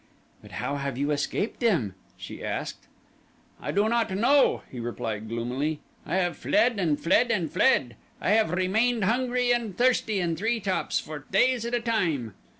"But how have you escaped them?" she asked. "I do not know," he replied gloomily. "I have fled and fled and fled. I have remained hungry and thirsty in tree tops for days at a time.